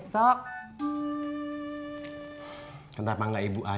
saya mau lihat